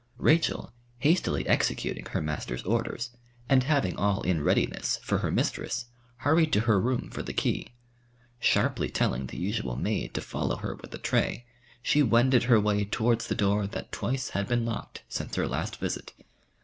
Rachel, hastily executing her master's orders, and having all in readiness for her mistress, hurried to her room for the key. Sharply telling the usual maid to follow her with the tray, she wended her way towards the door that twice had been locked since her last visit.